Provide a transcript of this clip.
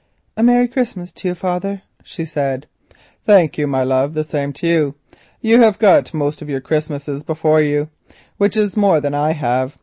"A merry Christmas to you, father," she said. "Thank you, Ida, the same to you; you have got most of your Christmases before you, which is more than I have.